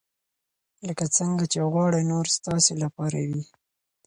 لکه څنګه چې غواړئ نور ستاسې لپاره وي.